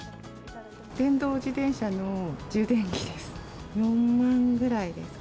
電動自転車の充電器です。